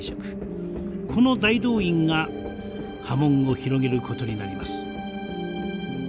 この大動員が波紋を広げることになります。